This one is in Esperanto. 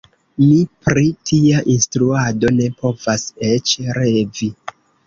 Mi pri tia instruado ne povas eĉ revi.